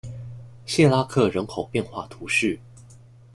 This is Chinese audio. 谢拉克人口变化图示